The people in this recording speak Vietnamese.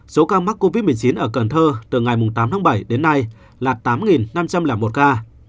số ca mắc covid một mươi chín ở cần thơ từ ngày tám tháng bảy đến nay là tám năm trăm linh một ca